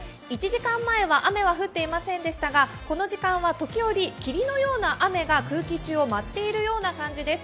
１時間前は雨は降っていませんでしたがこの時間は時折、霧のような雨が空気中を舞っているような感じです。